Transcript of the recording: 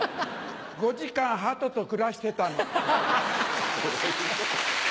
５時間ハトと暮らしてたの。